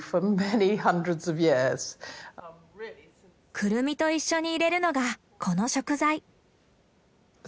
クルミと一緒に入れるのがこの食材。